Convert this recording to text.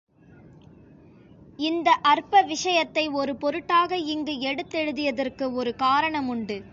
இந்த அற்ப விஷயத்தை ஒரு பொருட்டாக இங்கு எடுத்தெழுதியதற்கு ஒரு காரணமுண்டு.